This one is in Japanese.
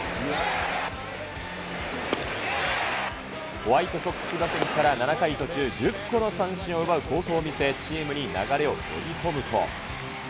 ホワイトソックス打線から７回途中、１０個の三振を奪う好投を見せ、チームに流れを呼び込むと。